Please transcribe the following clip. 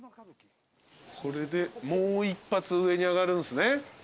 これでもう一発上に上がるんすね。